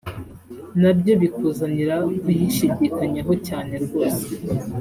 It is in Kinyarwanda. na byo bikuzanira kuyishidikanyaho cyane rwose